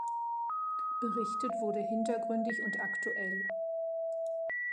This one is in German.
Berichtet wurde hintergründig und aktuell.